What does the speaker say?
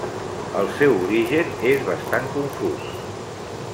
El seu origen és bastant confús.